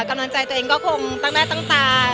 กำลังใจตัวเองก็คงตั้งหน้าตั้งตา